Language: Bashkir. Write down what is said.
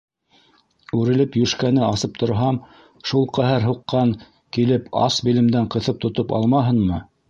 Үрелеп йүшкәне асып торһам, шул ҡәһәр һуҡҡан килеп ас билемдән ҡыҫып тотоп алмаһынмы!